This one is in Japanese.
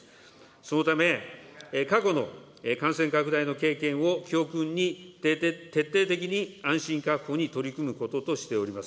そのため、過去の感染拡大の経験を教訓に徹底的に安心確保に取り組むこととしております。